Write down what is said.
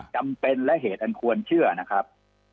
จำเป็นและเหตุอันควรเชื่อนะครับ